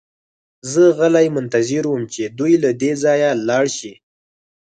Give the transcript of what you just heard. زه غلی منتظر وم چې دوی له دې ځایه لاړ شي